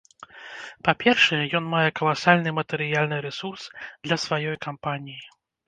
Па-першае, ён мае каласальны матэрыяльны рэсурс для сваёй кампаніі.